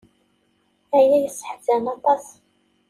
Aya yesseḥzan aṭas.